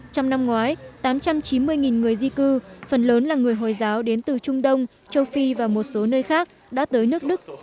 trong năm ngoái tám trăm chín mươi người di cư phần lớn là người hồi giáo đến từ trung đông châu phi và một số nơi khác đã tới nước đức